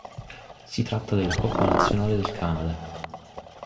Si tratta della coppa nazionale del Canada.